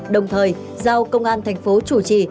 đồng thời giao công an thành phố chủ trì